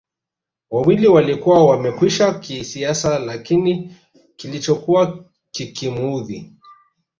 wawili walikuwa wamekwisha kisiasa Lakini kilichokuwa kikimuudhi